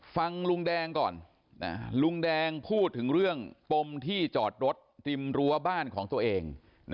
ฟังลุงแดงก่อนลุงแดงพูดถึงเรื่องปมที่จอดรถริมรั้วบ้านของตัวเอง